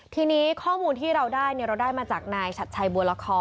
ทีนี้ข้อมูลที่เราได้เราได้มาจากนายชัดชัยบัวละคร